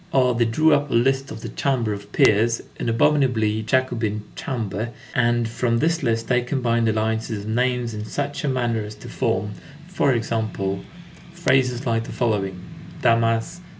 21 Or they drew up a list of the chamber of peers, "an abominably Jacobin chamber," and from this list they combined alliances of names, in such a manner as to form, for example, phrases like the following: _Damas.